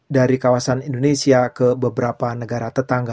dari kawasan indonesia ke beberapa negara tetangga